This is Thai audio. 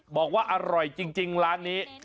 บอกว่าอร่อยจริงร้านนี้